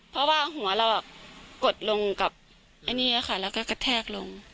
เพราะว่าหัวเรากดลงกับไอ้นี่ค่ะแล้วก็กระแทกลง